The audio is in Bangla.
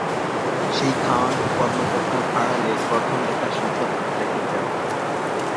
সেই খাওয়ানো-কর্মটার আড়ালে প্রথম-দেখার সংকোচ অনেকটা কেটে যাবে।